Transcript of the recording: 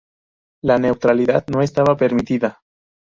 La neutralidad no estaba permitida.